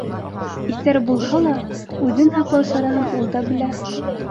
Иҫәр булһа ла, үҙен һаҡлау сараһын ул да белә.